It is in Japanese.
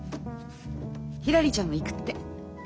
ひらりちゃんも行くって。